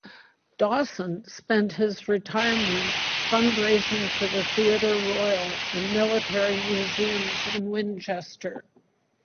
Dawson spent his retirement fundraising for the Theatre Royal and military museums in Winchester.